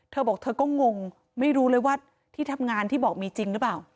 เธอบอกเธอก็งงไม่รู้เลยว่าที่ทำงานที่บอกมีจริงหรือเปล่า